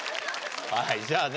はいじゃあね